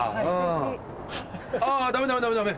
あぁダメダメダメ。